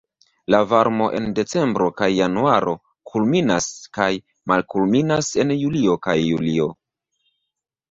La varmo en decembro kaj januaro kulminas kaj malkulminas en julio kaj julio.